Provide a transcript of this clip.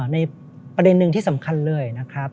ในประเด็นหนึ่งที่สำคัญเลย